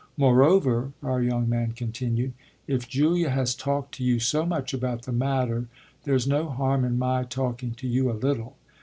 Moreover," our young man continued, "if Julia has talked to you so much about the matter there's no harm in my talking to you a little.